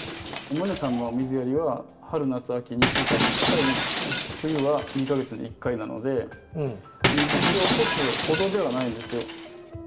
ｍｕｎｅさんの水やリは春夏秋２週間に１回冬は２か月に１回なので水切れを起こすほどではないんですよ。